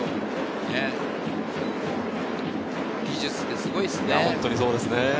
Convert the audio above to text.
技術ってすごいですね。